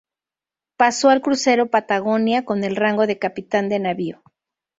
Pasó al crucero "Patagonia" con el rango de capitán de navío.